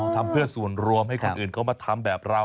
ทำเพื่อส่วนรวมให้คนอื่นเขามาทำแบบเรา